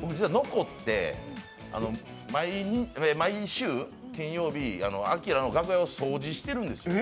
僕、実は残って、毎週金曜日明の楽屋を掃除してるんですよ。